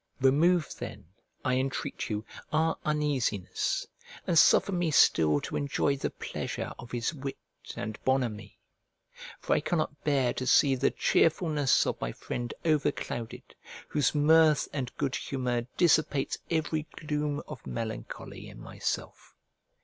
Remove then, I entreat you, our uneasiness, and suffer me still to enjoy the pleasure of his wit and bonhommie; for I cannot bear to see the cheerfulness of my friend over clouded, whose mirth and good humour dissipates every gloom of melancholy in myself.